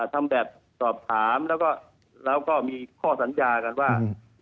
ทำแบบสอบถามแล้วก็มีข้อสัญญากันว่า